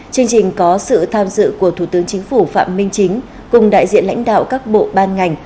chương trình có sự tham dự của thủ tướng chính phủ phạm minh chính cùng đại diện lãnh đạo các bộ ban ngành